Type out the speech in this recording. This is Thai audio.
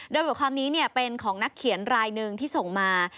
โดยบทความนี้เป็นของนักเขียนรายหนึ่งที่ส่งมา